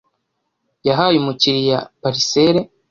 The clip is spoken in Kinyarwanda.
Yahaye umukiriya parcelle.